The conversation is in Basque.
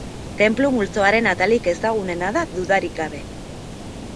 Tenplu multzoaren atalik ezagunena da dudarik gabe.